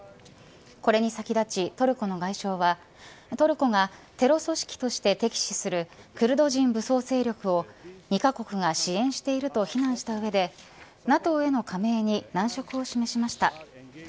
これに先立ちトルコの外相はトルコがテロ組織として敵視するクルド人武装勢力を２カ国が支援していると非難した上でＮＡＴＯへの加盟に難色を示しました。